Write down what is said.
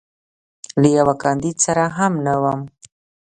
له یوه کاندید سره هم نه وم.